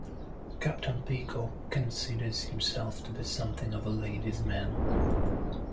Captain Peacock considers himself to be something of a ladies' man.